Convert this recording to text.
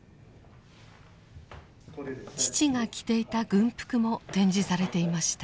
父が着ていた軍服も展示されていました。